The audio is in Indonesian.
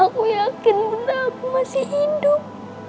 aku yakin bunda aku masih hidup